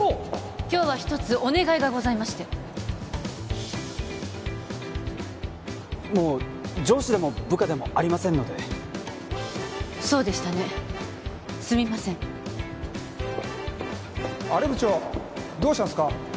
今日は一つお願いがございましてもう上司でも部下でもありませんのでそうでしたねすみませんあれ部長どうしたんすか？